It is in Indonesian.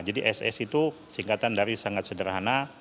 jadi ss itu singkatan dari sangat sederhana